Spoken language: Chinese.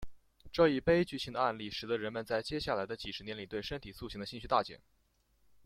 这一悲剧性的案例使得人们在接下来的几十年里对身体塑形的兴趣大减。